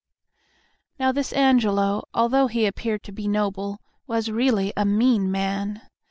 Now this Angelo, although he appeared to be noble, was really a mean man.